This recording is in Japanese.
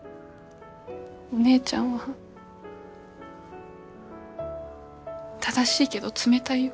お姉ちゃんは正しいけど冷たいよ。